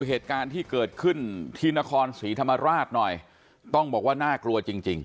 เหตุการณ์ที่เกิดขึ้นที่นครศรีธรรมราชหน่อยต้องบอกว่าน่ากลัวจริงจริง